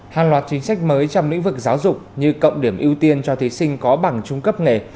hàng loạt chính sách mới trong lĩnh vực giáo dục như cộng điểm ưu tiên cho thí sinh có bằng trung cấp nghề